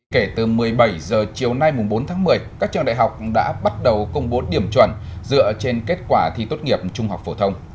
kể từ một mươi bảy h chiều nay bốn tháng một mươi các trường đại học đã bắt đầu công bố điểm chuẩn dựa trên kết quả thi tốt nghiệp trung học phổ thông